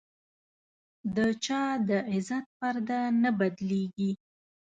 د چا د عزت پرده نه بدلېږي.